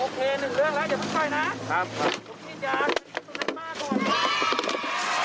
โอเคหนึ่งเรื่องแล้วเดี๋ยวต้องค่อยนะ